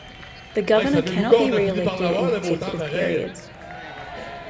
The governor cannot be re-elected in consecutive periods.